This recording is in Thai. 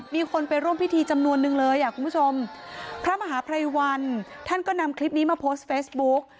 มีคนไปร่วมพิธีจำนวนนึงเลยอ่ะคุณผู้ชมพระมหาภัยวันท่านก็นำคลิปนี้มาโพสต์เฟซบุ๊ก